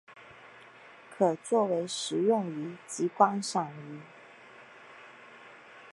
可做为食用鱼及观赏鱼。